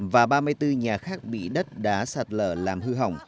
và ba mươi bốn nhà khác bị đất đá sạt lở làm hư hỏng